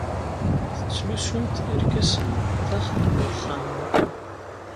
Tettlusumt irkasen daxel n uxxam?